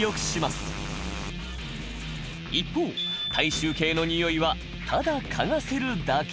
一方体臭系のにおいはただ嗅がせるだけ。